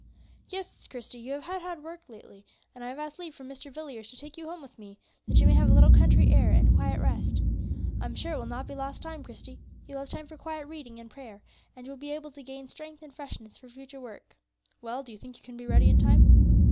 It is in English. "Yes, Christie; you have had hard work lately, and I have asked leave from Mr. Villiers to take you home with me, that you may have a little country air and quiet rest. I am sure it will not be lost time, Christie; you will have time for quiet reading and prayer, and you will be able to gain strength and freshness for future work. Well, do you think you can be ready in time?"